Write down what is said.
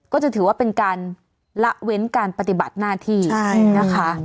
ก็จะถือว่าเป็นการละเว้นการปฏิบัติหน้าที่นะคะ